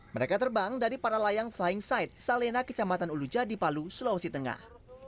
mereka terbang dari para layang flying sight salena kecamatan uluja di palu sulawesi tengah